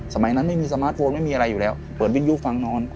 สมัยนั้นไม่มีสมาร์ทโฟนไม่มีอะไรอยู่แล้วเปิดวิทยุฟังนอน